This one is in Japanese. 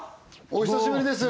お久しぶりです